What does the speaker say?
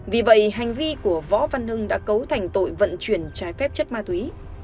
vì vậy hành vi của võ văn hưng đã cấu thành tội vận chuyển trái phép chất ma túy